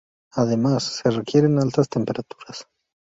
Además, se requieren altas temperaturas.